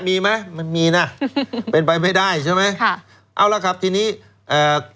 มีไหมมันมีนะเป็นไปไม่ได้ใช่ไหมค่ะเอาล่ะครับทีนี้เอ่อ